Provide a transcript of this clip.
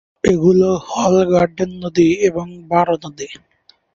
এগুলো হল গার্ডেন নদী এবং বার নদী।